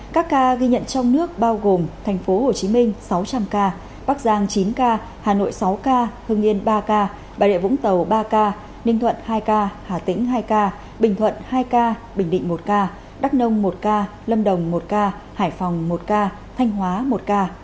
các ca ghi nhận trong nước bao gồm tp hcm sáu trăm linh ca bắc giang chín ca hà nội sáu ca hưng yên ba ca bà rịa vũng tàu ba ca ninh thuận hai ca hà tĩnh hai ca bình thuận hai ca bình định một ca đắk nông một ca lâm đồng một ca hải phòng một ca thanh hóa một ca